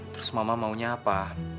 terus mama maunya apa